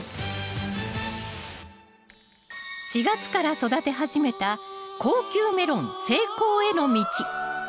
４月から育て始めた高級メロン成功への道。